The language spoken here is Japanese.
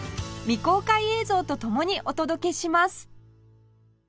未公開映像とともにお届けします